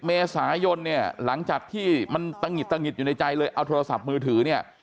เมษายนเนี่ยหลังจากที่มันตะหิดตะหิดอยู่ในใจเลยเอาโทรศัพท์มือถือเนี่ย